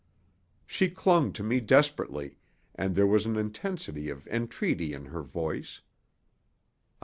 She clung to me desperately, and there was an intensity of entreaty in her voice.